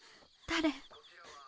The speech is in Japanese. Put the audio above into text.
誰？